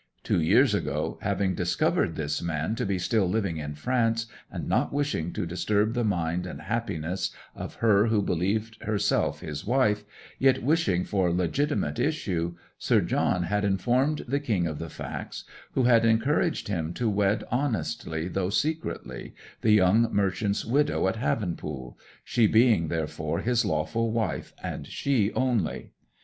Two years ago, having discovered this man to be still living in France, and not wishing to disturb the mind and happiness of her who believed herself his wife, yet wishing for legitimate issue, Sir John had informed the King of the facts, who had encouraged him to wed honestly, though secretly, the young merchant's widow at Havenpool; she being, therefore, his lawful wife, and she only.